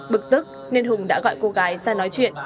bực tức nên hùng đã gọi cô gái ra nói chuyện